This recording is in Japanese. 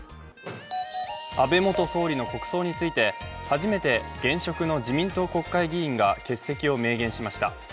安倍元総理の国葬について初めて現職の自民党国会議員が欠席を明言しました。